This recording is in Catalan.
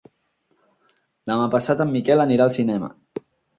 Demà passat en Miquel anirà al cinema.